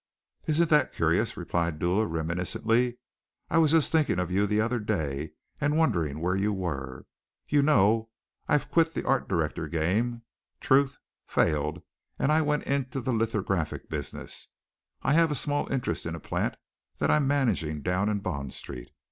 "Isn't that curious," replied Dula reminiscently, "I was just thinking of you the other day and wondering where you were. You know I've quit the art director game. Truth failed and I went into the lithographic business. I have a small interest in a plant that I'm managing down in Bond Street.